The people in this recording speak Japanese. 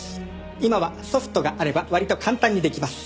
今はソフトがあれば割と簡単にできます。